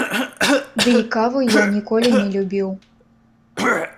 Дый каву я ніколі не любіў.